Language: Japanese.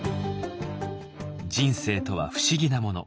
人生とは不思議なもの。